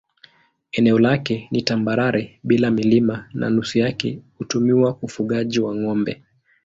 Eneo lake ni tambarare bila milima na nusu yake hutumiwa kwa ufugaji wa ng'ombe.